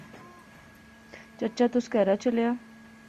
چچا تس کہھرے چلیا؟